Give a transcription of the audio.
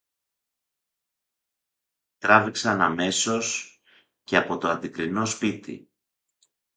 Τράβηξαν αμέσως και από το αντικρινό σπίτι